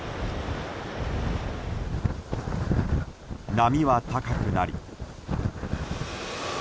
波は高くなり。